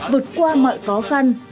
vượt qua mọi khó khăn